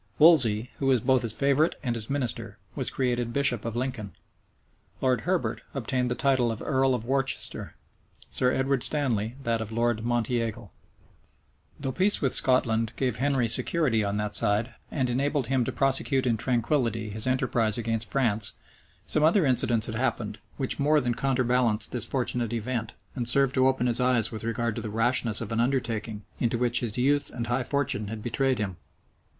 Wolsey, who was both his favorite and his minister, was created bishop of Lincoln. Lord Herbert obtained the title of earl of Worcester; Sir Edward Stanley, that of Lord Monteagle. Though peace with Scotland gave Henry security on that side, and enabled him to prosecute in tranquillity his enterprise against France, some other incidents had happened, which more than counterbalanced this fortunate event, and served to open his eyes with regard to the rashness of an undertaking, into which his youth and high fortune had betrayed him.